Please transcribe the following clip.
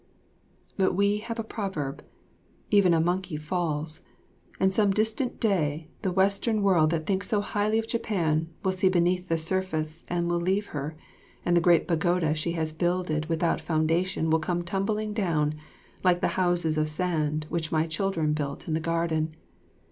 But we have a proverb, "Even a monkey falls"; and some distant day the Western world that thinks so highly of Japan will see beneath the surface and will leave her, and the great pagoda she has builded without foundation will come tumbling down like the houses of sand which my children build in the garden.